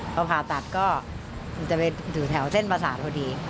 พอผ่าตัดก็มันจะไปถึงแถวเส้นประสาทพอดี